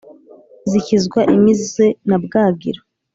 zikizwa imize na bwagiro,